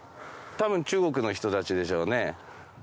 多分中国の人たちでしょうね。